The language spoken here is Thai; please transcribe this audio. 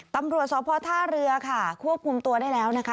ตำรวจสพท่าเรือค่ะควบคุมตัวได้แล้วนะคะ